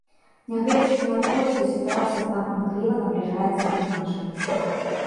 Нягледзячы на тое, што сітуацыя там імкліва набліжаецца да нашай.